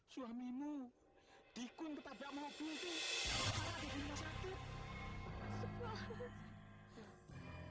biar sedikit lagi malam